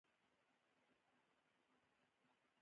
اکا د اکا مينه تورکى کلى کور هرڅه مې رايادېدل.